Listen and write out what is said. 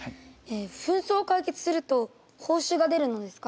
紛争を解決すると報酬が出るのですか？